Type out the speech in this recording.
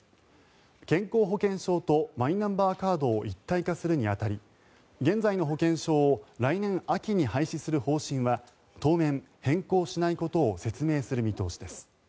健康保険証とマイナンバーカードを一体化するに当たり現在の保険証を来年秋に廃止する方針は当面、変更しないことを説明する見通しです。